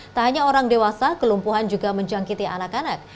tak hanya orang dewasa kelumpuhan juga menjangkiti anak anak